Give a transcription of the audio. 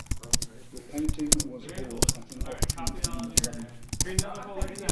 The painting was bought at an auction in London.